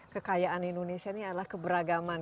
kekayaan indonesia ini adalah keberagaman